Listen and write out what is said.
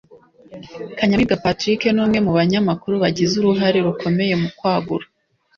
Kanyamibwa Patrick ni umwe mu banyamakuru bagize uruhare rukomeye mu kwagura